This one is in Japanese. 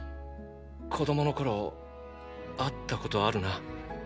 子供の頃会ったことあるな？